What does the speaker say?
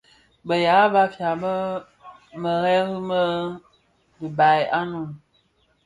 Bë ya Bafia bi mëree më dhibal a Noun.